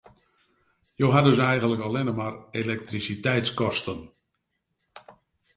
Jo ha dus eigenlik allinne mar elektrisiteitskosten.